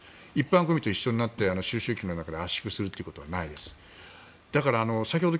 一般のゴミと一緒になって収集機の中で圧縮することはないです。